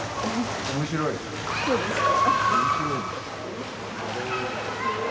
そうですか。